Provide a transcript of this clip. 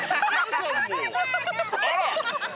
あら！